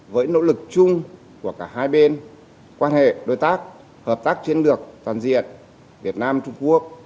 với nỗ lực chung của cả hai bên quan hệ đối tác hợp tác chiến lược toàn diện việt nam trung quốc